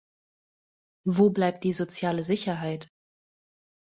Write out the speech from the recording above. Wo bleibt die soziale Sicherheit?